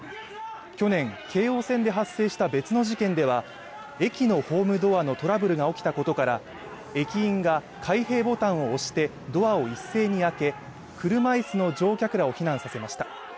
去年京王線で発生した別の事件では駅のホームドアのトラブルが起きたことから駅員が開閉ボタンを押してドアを一斉に開け車椅子の乗客らを避難させました